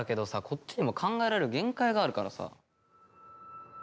こっちにも考えられる限界があるからさ。